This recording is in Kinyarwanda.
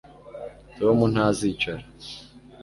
Tom ntazicara